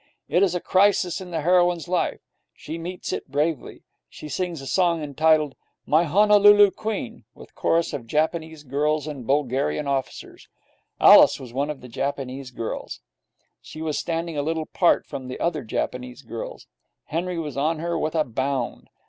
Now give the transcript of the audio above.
It is a crisis in the heroine's life. She meets it bravely. She sings a song entitled 'My Honolulu Queen', with chorus of Japanese girls and Bulgarian officers. Alice was one of the Japanese girls. She was standing a little apart from the other Japanese girls. Henry was on her with a bound.